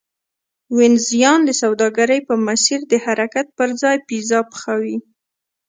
وینزیان د سوداګرۍ په مسیر د حرکت پرځای پیزا پخوي